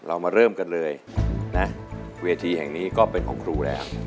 เรามาเริ่มกันเลยนะเวทีแห่งนี้ก็เป็นของครูแล้ว